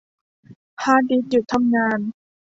ฮาร์ดดิสก์หยุดทำงาน